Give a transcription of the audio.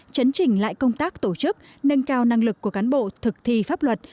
chấn trình lại công tác tổ chức nâng cao năng lực của cán bộ thực thi pháp luật